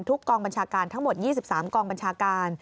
กองบัญชาการทั้งหมด๒๓กองบัญชาการ